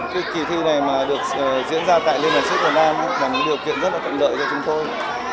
thì cái kỳ thi này mà được diễn ra tại liên hoàn siết việt nam là một điều kiện rất là cận lợi cho chúng tôi